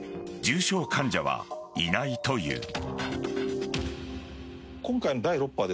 重症患者はいないという。